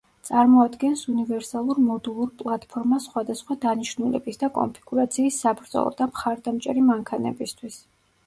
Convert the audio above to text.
წარმოადგენს უნივერსალურ მოდულურ პლატფორმას სხვადასხვა დანიშნულების და კონფიგურაციის საბრძოლო და მხარდამჭერი მანქანებისთვის.